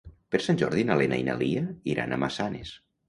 Per Sant Jordi na Lena i na Lia iran a Massanes.